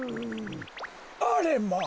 あれまあ。